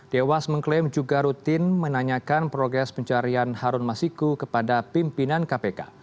dewas mengklaim juga rutin menanyakan progres pencarian harun masiku kepada pimpinan kpk